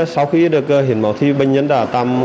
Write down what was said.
sau khi được hiến máu thì bệnh nhân đã tạm